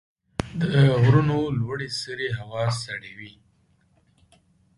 د غرونو لوړې سرې هوا سړې وي.